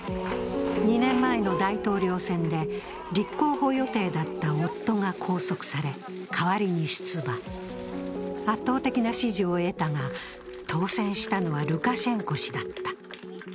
２年前の大統領選で立候補予定だった夫が拘束され代わりに出馬、圧倒的な支持を得たが当選したのはルカシェンコ氏だった。